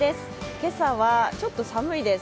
今朝はちょっと寒いです。